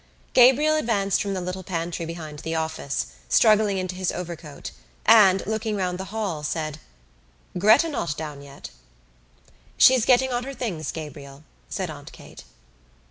Gabriel advanced from the little pantry behind the office, struggling into his overcoat and, looking round the hall, said: "Gretta not down yet?" "She's getting on her things, Gabriel," said Aunt Kate.